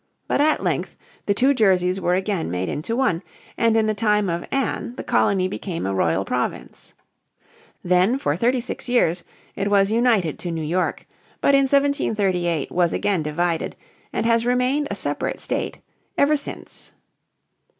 But at length the two Jerseys were again made into one, and in the time of Anne the colony became a Royal Province. Then for thirty six years it was united to New York, but in 1738 was again divided and has remained a separate state ever since.